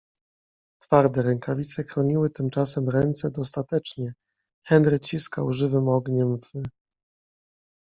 Twarde rękawice chroniły tymczasem ręce dostatecznie. Henry ciskał żywym ogniem w